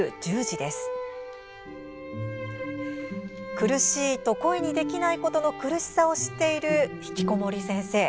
苦しいと声にできないことの苦しさを知っている、ひきこもり先生。